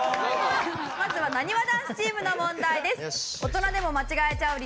まずはなにわ男子チームの問題です。